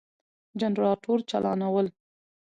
جنراتور چالانول ،